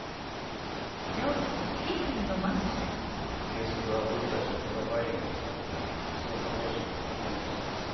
警察は僕たちのプロファイリングを参考に捜査方針を改めたそうです。